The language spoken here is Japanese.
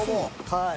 はい。